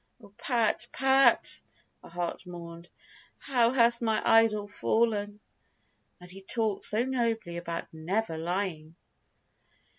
"Oh, Pat, Pat!" her heart mourned. "How has my idol fallen! And he talked so nobly about never lying!"